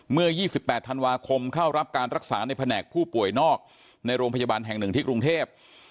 เมื่อ๒๘ธันวาคมเข้ารับการรักษาในแผนกผู้ป่วยนอกในโรงพยาบาลแห่งหนึ่งที่กรุงเทพ